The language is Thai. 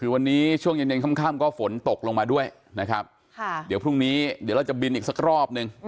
วันนี้ช่วงเย็นข้ำก็ฝนตกลงมาด้วยบนพรุ่งนี้เดี๋ยวเราจะบินสักรอบนึง